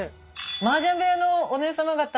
マージャン部屋のお姉様方。